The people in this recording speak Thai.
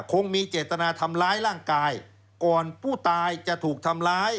คงมีเจตนาทำร้ายร่างกายก่อนผู้ตายจะถูกทำร้าย